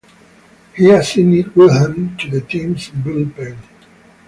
He assigned Wilhelm to the team's bullpen.